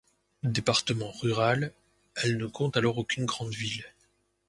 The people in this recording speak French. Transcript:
Département rural, elle ne compte alors aucune grande ville.